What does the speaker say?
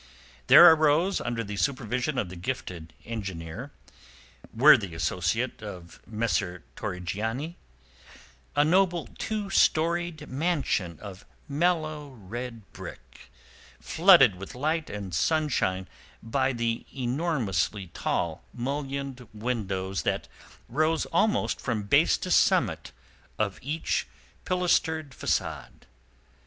There arose under the supervision of the gifted engineer, worthy associate of Messer Torrigiani, a noble two storied mansion of mellow red brick, flooded with light and sunshine by the enormously tall mullioned windows that rose almost from base to summit of each pilastered facade.